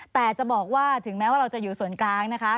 แต่จะบอกว่าถึงแม้ว่าเราจะอยู่ส่วนกลางนะคะ